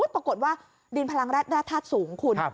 ปรากฏว่าดินพลังแร่ธาตุสูงคุณ